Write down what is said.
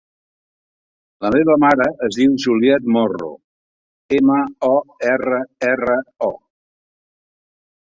La meva mare es diu Juliette Morro: ema, o, erra, erra, o.